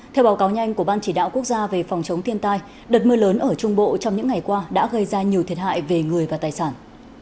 theo báo cáo nhanh của ban chỉ đạo quốc gia về phòng chống thiên tai đợt mưa lớn ở trung bộ trong những ngày qua đã gây ra nhiều thiệt hại về người và tài sản